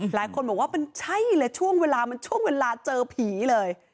หลายคนบอกว่ามันใช่เลยช่วงเวลาเจอผีเลย